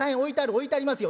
置いてありますよ。